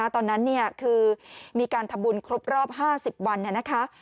ตอนนั้นคือมีการทำบุญครบรอบ๕๐วันนะคะ